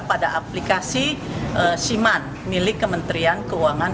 pada aplikasi siman milik kementerian keuangan